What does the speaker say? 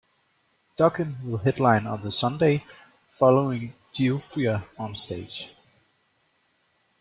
Dokken will headline on the Sunday, following Giuffria on stage.